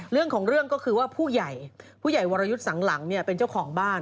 เรื่องของเรื่องก็คือว่าผู้ใหญ่ผู้ใหญ่วรยุทธ์สังหลังเนี่ยเป็นเจ้าของบ้าน